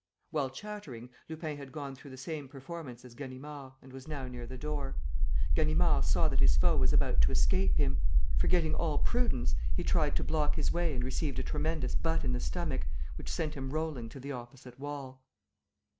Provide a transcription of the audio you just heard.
While chattering, Lupin had gone through the same performance as Ganimard and was now near the door. Ganimard saw that his foe was about to escape him. Forgetting all prudence, he tried to block his way and received a tremendous butt in the stomach, which sent him rolling to the opposite wall.